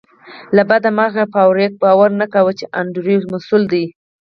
له بده مرغه فارویک باور نه کاوه چې انډریو مسؤل دی